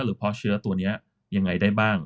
เพาะเชื้อตัวนี้ยังไงได้บ้าง